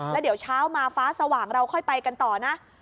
แล้วเดี๋ยวเช้ามาฟ้าสว่างเราค่อยไปกันต่อนะ